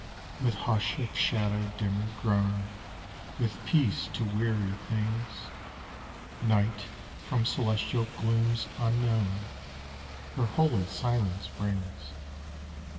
With hush of shadow dimmer grown, With peace to weary things, Night, from celestial glooms unknown, Her holy silence brings.